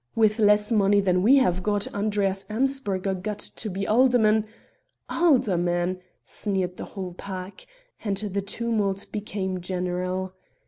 With less money than we have got, Andreas Amsberger got to be alderman " "Alderman!" sneered the whole pack; and the tumult became general.